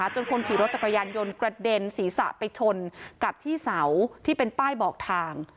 คนขี่รถจักรยานยนต์กระเด็นศีรษะไปชนกับที่เสาที่เป็นป้ายบอกทาง